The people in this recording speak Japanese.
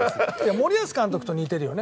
森保監督と似てるよね。